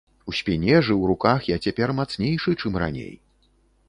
У спіне ж і ў руках я цяпер мацнейшы, чым раней.